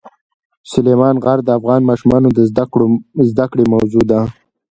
سلیمان غر د افغان ماشومانو د زده کړې موضوع ده.